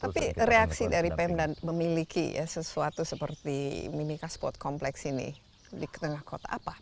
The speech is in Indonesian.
tapi reaksi dari pem dan memiliki sesuatu seperti mini caspot kompleks ini di tengah kota apa